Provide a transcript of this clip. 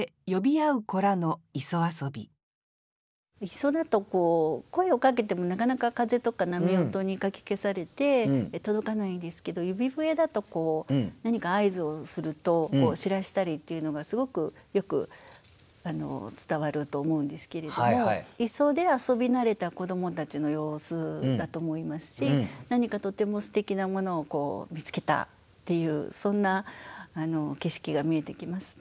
磯だと声をかけてもなかなか風とか波音にかき消されて届かないですけど指笛だと何か合図をすると知らせたりっていうのがすごくよく伝わると思うんですけれども磯で遊び慣れた子どもたちの様子だと思いますし何かとってもすてきなものを見つけたっていうそんな景色が見えてきます。